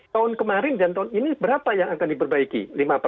tahun kemarin dan tahun ini berapa yang akan diperbaiki